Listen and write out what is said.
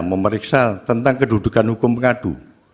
memeriksa tentang kedudukan hukum pengadu